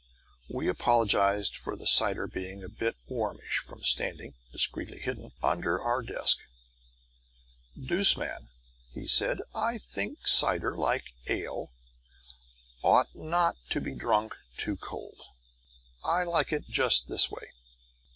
We apologized for the cider being a little warmish from standing (discreetly hidden) under our desk. Douce man, he said: "I think cider, like ale, ought not to be drunk too cold. I like it just this way."